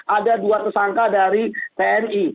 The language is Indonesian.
ada dua tersangka dari tni